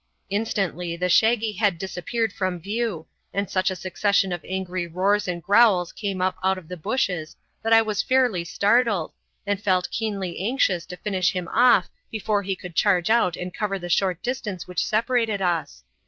Instantly the shaggy head disappeared from view, and such a succession of angry roars and growls came up out of the bushes that I was fairly startled, and felt keenly anxious to finish him off before he could charge out and cover the short distance which separated us.